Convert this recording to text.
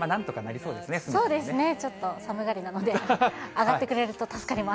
そうですね、ちょっと寒がりなので、上がってくれると助かります。